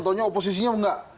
taunya oposisinya enggak